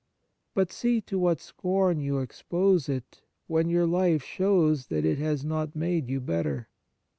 But see to what scorn you expose it, when your life shows that it has not made you better.